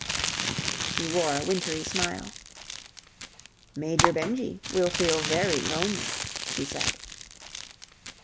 She wore a wintry smile. "Major Benjy will feel very lonely," she said.